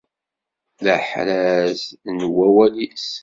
D aḥraz n wawal-is.